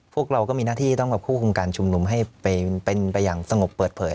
พวกเราก็มีหน้าที่ต้องมาควบคุมการชุมนุมให้เป็นไปอย่างสงบเปิดเผย